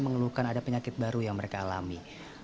mengeluhkan ada penyakit baru yang mereka alami